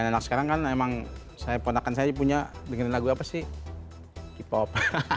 anak sekarang kan emang saya ponakan saya punya dengerin lagu apa sih k pop